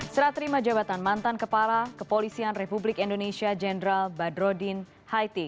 serah terima jabatan mantan kepala kepolisian republik indonesia jenderal badrodin haiti